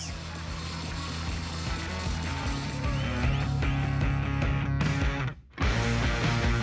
kisah juara aspar jailulo